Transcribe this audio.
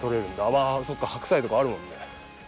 うわそっか白菜とかあるもんね。